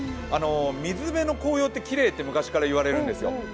水辺の紅葉ってきれいって昔からいわれるんですよ。